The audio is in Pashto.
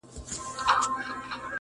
زه نه پاګل یمه نه ړوند یمه زه هرڅه وینم